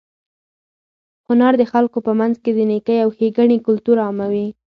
هنر د خلکو په منځ کې د نېکۍ او ښېګڼې کلتور عاموي.